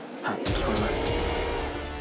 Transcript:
聞こえます。